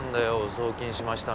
「送金しました」